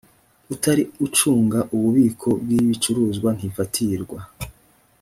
utari ucunga ububiko bw ibicuruzwa ntifatirwa